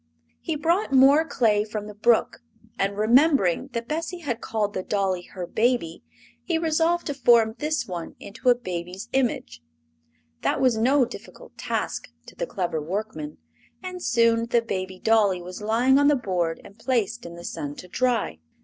He brought more clay from the brook, and remembering that Bessie had called the dolly her baby he resolved to form this one into a baby's image. That was no difficult task to the clever workman, and soon the baby dolly was lying on the board and placed in the sun to dry.